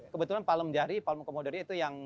kebetulan palem jari palem komodoria itu yang